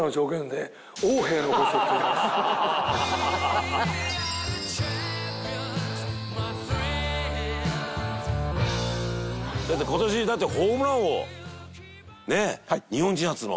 これは今年だってホームラン王ねえ日本人初の。